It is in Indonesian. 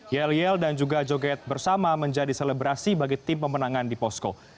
yel yel dan juga joget bersama menjadi selebrasi bagi tim pemenangan di posko